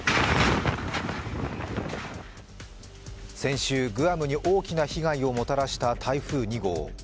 先週、グアムに大きな被害をもたらした台風２号。